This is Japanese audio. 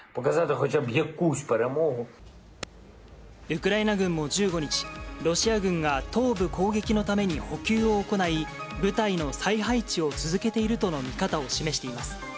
ウクライナ軍は１５日、ロシア軍が東部攻撃のために補給を行い、部隊の再配置を続けているとの見方を示しています。